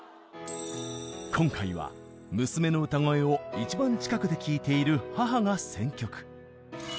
今回は娘の歌声を一番近くで聴いている母が選曲。